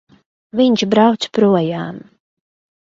Viņš brauc projām!